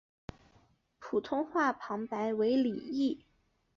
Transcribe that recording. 普通话旁白为李易。